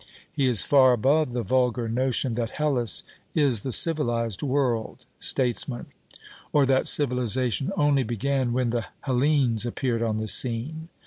He is far above the vulgar notion that Hellas is the civilized world (Statesman), or that civilization only began when the Hellenes appeared on the scene.